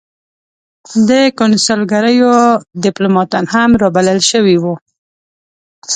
د کنسلګریو دیپلوماتان هم را بلل شوي وو.